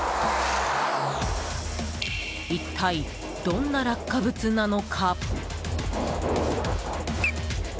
一体、どんな落下物なのか。